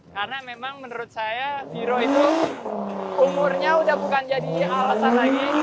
karena memang menurut saya viro itu umurnya udah bukan jadi alasan lagi